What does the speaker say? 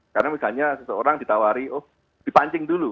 karena misalnya seseorang ditawari oh dipancing dulu